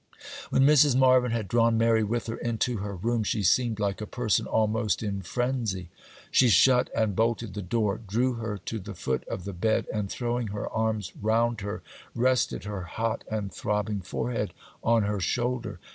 When Mrs. Marvyn had drawn Mary with her into her room, she seemed like a person almost in frenzy. She shut and bolted the door, drew her to the foot of the bed, and, throwing her arms round her, rested her hot and throbbing forehead on her shoulder.